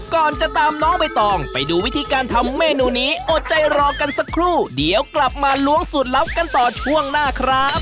ก่อนจะตามน้องใบตองไปดูวิธีการทำเมนูนี้อดใจรอกันสักครู่เดี๋ยวกลับมาล้วงสูตรลับกันต่อช่วงหน้าครับ